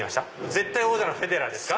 絶対王者のフェデラーですか？